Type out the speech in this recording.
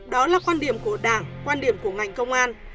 đó là quan điểm của đảng quan điểm của ngành công an